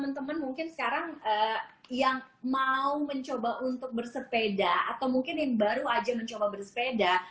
atau mungkin yang baru aja mencoba bersepeda